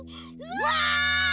うわ！